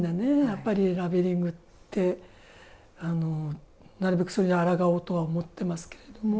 やっぱりラベリングってなるべくそれにあらがおうとは思ってますけれども